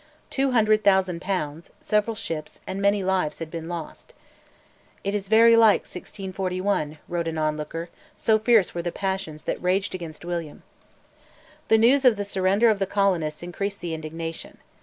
Two hundred thousand pounds, several ships, and many lives had been lost. "It is very like 1641," wrote an onlooker, so fierce were the passions that raged against William. The news of the surrender of the colonists increased the indignation.